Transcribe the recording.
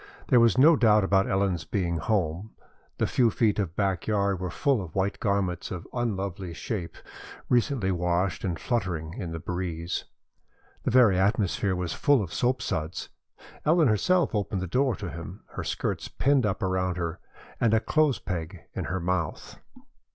There was no doubt about Ellen's being at home. The few feet of back yard were full of white garments of unlovely shape, recently washed and fluttering in the breeze. The very atmosphere was full of soapsuds. Ellen herself opened the door to him, her skirts pinned up around her, and a clothes peg in her mouth.